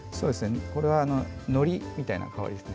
これはのりみたいなものです。